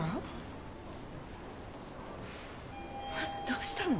どうしたの？